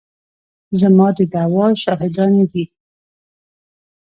زما د دعوې شاهدانې دي.